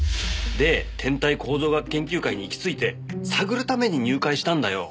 で天体構造学研究会に行きついて探るために入会したんだよ。